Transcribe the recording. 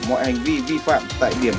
mọi hành vi vi phạm tại điểm